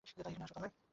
তাই এখানে হাসপাতাল নয়।